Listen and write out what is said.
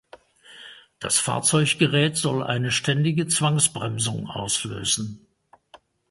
Das Fahrzeuggerät soll eine ständige Zwangsbremsung auslösen.